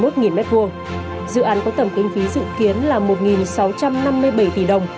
dự án có tổng kinh phí dự kiến là một sáu trăm năm mươi bảy tỷ đồng